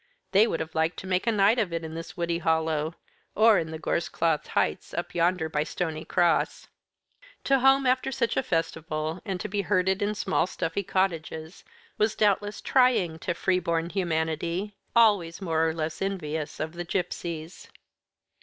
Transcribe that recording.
They would have liked to make a night of it in this woody hollow, or in the gorse clothed heights up yonder by Stony Cross. To go home after such a festival, and be herded in small stuffy cottages, was doubtless trying to free born humanity, always more or less envious of the gipsies.